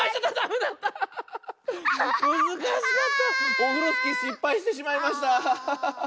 オフロスキーしっぱいしてしまいました！ハハハ。